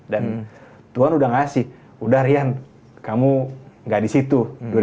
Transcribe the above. dan tuhan udah ngasih udah rian kamu gak disitu